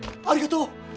ありがとう！